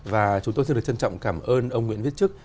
và chúng tôi rất trân trọng cảm ơn ông nguyễn viết trức